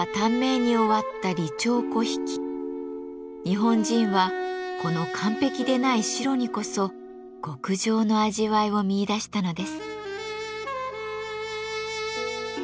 日本人はこの完璧でない白にこそ極上の味わいを見いだしたのです。